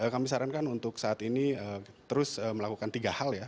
kami sarankan untuk saat ini terus melakukan tiga hal ya